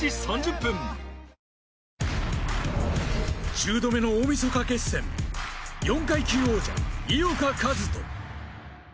１０度目の大みそか決戦、４階級王者井岡一翔。